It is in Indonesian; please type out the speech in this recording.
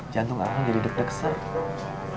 jantung aku jadi deg deg seru